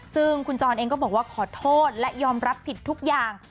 ซึ่งคุณจรเองก็บอกว่าขอโทษและยอมรับผิดทุกอย่าง